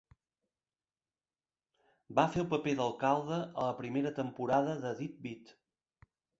Va fer el paper d'alcalde a la primera temporada de "Deadbeat".